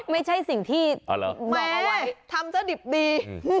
ไม่ใช่สิ่งที่ทำซะดิบดี